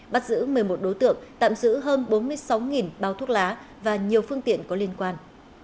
bắt giữ một mươi một đối tượng tạm giữ hơn bốn mươi sáu bao thuốc lá và nhiều phương tiện có liên quan